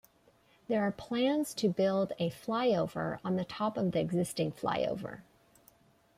There are plans to build a flyover on top of the existing flyover.